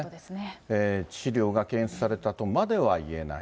致死量が検出されたとまではいえない。